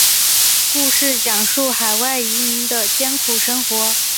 故事讲述海外移民的艰苦生活。